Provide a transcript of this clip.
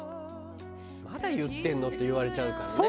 まだ言ってんの？って言われちゃうからね。